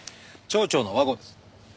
町長の和合です。